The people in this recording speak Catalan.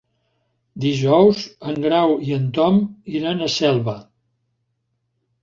Dijous en Grau i en Tom iran a Selva.